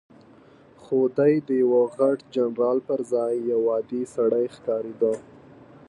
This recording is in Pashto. خو دی د یوه غټ جنرال پر ځای یو عادي سړی ښکارېده.